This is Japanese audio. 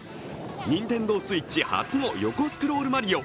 ＮｉｎｔｅｎｄｏＳｗｉｔｃｈ初の横スクロールマリオ。